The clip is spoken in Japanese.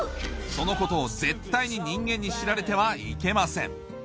そのことを絶対に人間に知られてはいけません